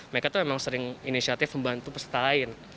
mereka tuh emang sering inisiatif membantu peserta lain